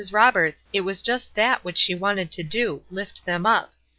Roberts, it was just that which she wanted to do, lift them up.